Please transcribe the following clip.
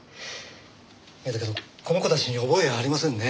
だけどこの子たちに覚えはありませんね。